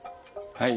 はい。